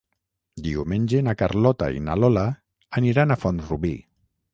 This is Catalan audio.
Diumenge na Carlota i na Lola aniran a Font-rubí.